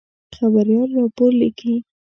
خبریال راپور لیکي.